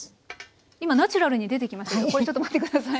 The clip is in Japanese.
今ナチュラルに出てきましたけどちょっと待って下さい。